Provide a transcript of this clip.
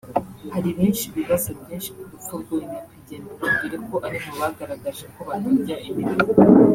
Hari benshi bibaza byinshi ku rupfu rw’uyu nyakwigendera dore ko ari mu bagaragaje ko batarya iminwa